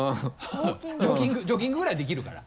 ジョギングぐらいはできるから。